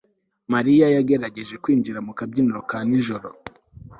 Mariya yagerageje kwinjira mu kabyiniro ka nijoro